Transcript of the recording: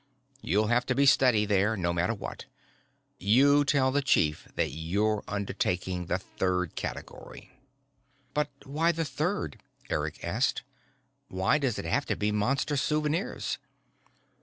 You'll have to be steady there, no matter what. You tell the chief that you're undertaking the third category." "But why the third?" Eric asked. "Why does it have to be Monster souvenirs?"